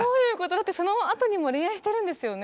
だってそのあとにも恋愛してるんですよね